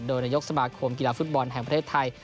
โดยนายกสมาคมกีฬาฟุตบอลแห่งประเทศไทย